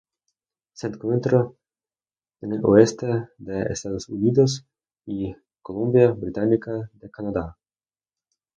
Se encuentra en el oeste de Estados Unidos y Columbia Británica en Canadá.